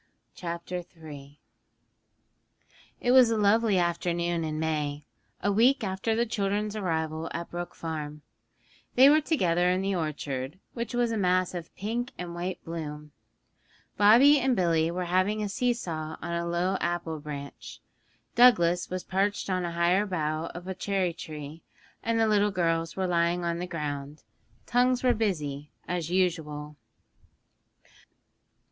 CHAPTER III Was it an Angel? It was a lovely afternoon in May, a week after the children's arrival at Brook Farm. They were together in the orchard, which was a mass of pink and white bloom. Bobby and Billy were having a see saw on a low apple branch; Douglas was perched on a higher bough of a cherry tree, and the little girls were lying on the ground. Tongues were busy, as usual.